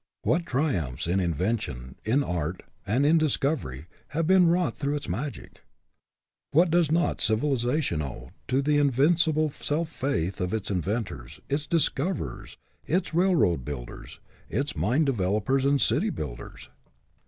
What triumphs in in vention, in art, and in discovery have been wrought through its magic! What does not civilization owe to the invincible self faith of its inventors, its discoverers, its railroad builders, its mine developers and city builders